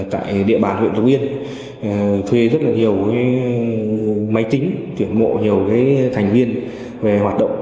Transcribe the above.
tại địa bàn huyện lục yên thuê rất là nhiều máy tính tuyển mộ nhiều thành viên về hoạt động